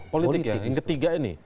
politik ya yang ketiga ini